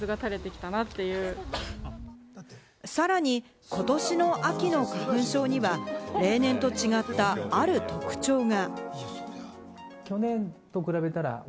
さらに、ことしの秋の花粉症には例年と違った、ある特徴が。